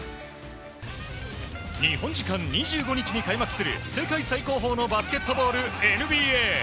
日本時間２５日に開幕する世界最高峰のバスケットボールＮＢＡ。